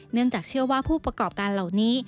เนื่องจากเชื่อว่าผู้ประกอบการเหล่านี้